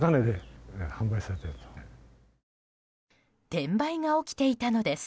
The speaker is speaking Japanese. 転売が起きていたのです。